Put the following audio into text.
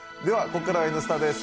ここからは「Ｎスタ」です。